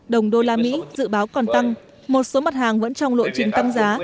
đồng đô la mỹ dự báo còn tăng một số mặt hàng vẫn trong lộ trình tăng giá